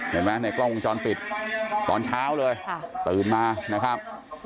ในกล้องวงจรปิดตอนเช้าเลยตื่นมานะครับ